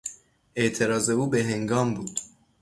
اعتراض او بههنگام بود.